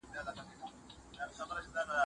د سمبول ارزښت لري.